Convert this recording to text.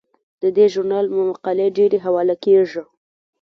د دې ژورنال مقالې ډیرې حواله کیږي.